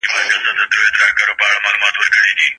موږ د خلکو ترمنځ د یووالي غوښتونکي یو.